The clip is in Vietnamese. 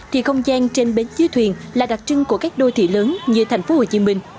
thì không gian trên bến dưới thuyền là đặc trưng của các đô thị lớn như tp hcm